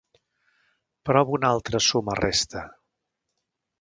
Prova una altra suma resta.